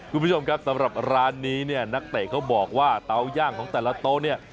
คุณผู้ชมครับสำหรับร้านนี้เนี่ยนักเตะเขาบอกว่าเตาย่างของแต่ละโต๊ะเนี่ย